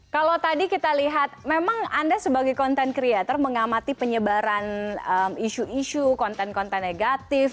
kalau tadi kita lihat memang anda sebagai content creator mengamati penyebaran isu isu konten konten negatif